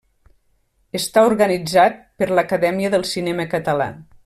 Està organitzat per l'Acadèmia del Cinema Català.